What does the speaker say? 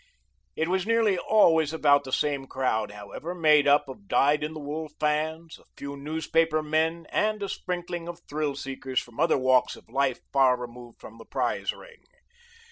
It was nearly always about the same crowd, however, made up of dyed in the wool fans, a few newspaper men, and a sprinkling of thrill seekers from other walks of life far removed from the prize ring.